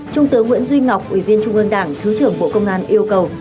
trung tướng nguyễn duy ngọc ủy viên trung ương đảng thứ trưởng bộ công an yêu cầu